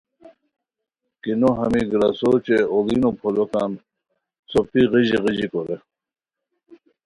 کی تو ہمی گراسو اوچے اوڑینو پھولوکان څوپی غیژی غیژی کورے